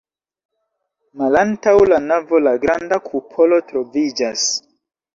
Malantaŭ la navo la granda kupolo troviĝas.